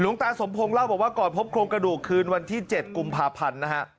หลวงตาสมพงศ์เล่าบอกว่าก่อนพบโครงกระดูกคืนวันที่๗กุมภาพันธ์นะฮะ